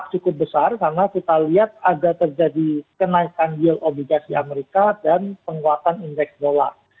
cukup besar karena kita lihat ada terjadi kenaikan yield obligasi amerika dan penguatan indeks dolar